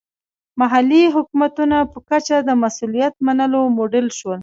محلي حکومتونو په کچه د مسوولیت منلو موډل شو.